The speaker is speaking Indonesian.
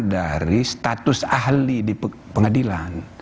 dari status ahli di pengadilan